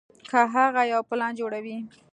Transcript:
کۀ هغه يو پلان جوړوي